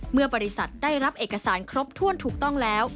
เมื่อบริษัทได้รับเอกสารครบถ้วนถูกต้องแล้ว